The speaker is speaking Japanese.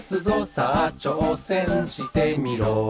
「さあちょうせんしてみろ」